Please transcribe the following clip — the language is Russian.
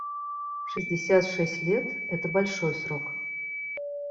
Шестьдесят шесть лет − это большой срок.